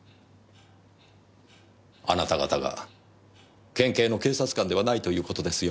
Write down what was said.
あなた方が県警の警察官ではないということですよ。